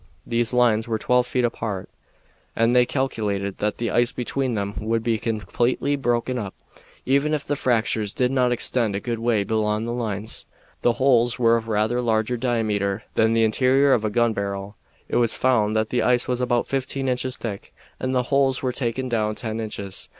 These lines were twelve feet apart, and they calculated that the ice between them would be completely broken up, even if the fractures did not extend a good way beyond the lines. The holes were of rather larger diameter than the interior of a gun barrel. It was found that the ice was about fifteen inches thick, and the holes were taken down ten inches.